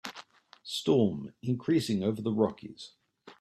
Storm increasing over the Rockies.